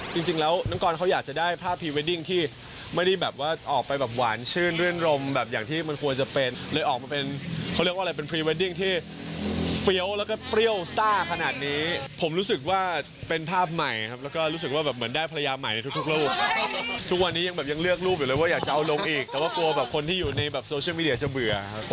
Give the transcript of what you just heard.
จริงแล้วน้องกรเขาอยากจะได้ภาพพรีเวดดิ่งที่ไม่ได้แบบว่าออกไปแบบหวานชื่นเลื่อนรมแบบอย่างที่มันควรจะเป็นเลยออกมาเป็นเขาเรียกว่าอะไรเป็นพรีเวดดิ่งที่เฟี้ยวแล้วก็เปรี้ยวซ่าขนาดนี้ผมรู้สึกว่าเป็นภาพใหม่ครับแล้วก็รู้สึกว่าแบบเหมือนได้ภรรยาใหม่ทุกรูปทุกวันนี้ยังแบบยังเลือกรูปอยู่